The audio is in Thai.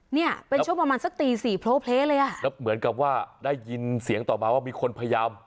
เนี่ยเป็นช่วงประมาณสักตีสี่โพลเพลเลยอ่ะแล้วเหมือนกับว่าได้ยินเสียงต่อมาว่ามีคนพยายาม